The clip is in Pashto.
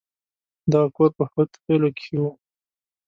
دغه کور په هود خيلو کښې و.